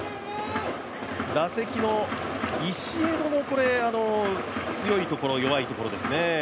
打席のビシエドの強いところ、弱いところですね。